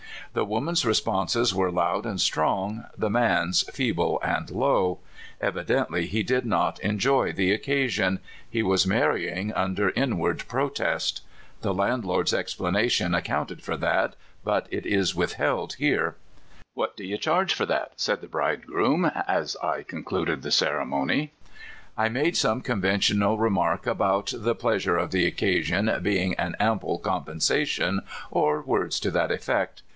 The woman's responses were loud and strong, the man's feebl and low. Evidently he did not en joy the occasion — he was marrying under inward protest. (The landlord's explanation accounted for that, but it is withheld here.) '' What do you charge for that? " said the bride groom as I concluded the ceremonv. 308 CALIFORNIA SKETCHES. 1 made some conventional remark about '* the pleasure of the occasion being an ample compen sation," or words to that effect.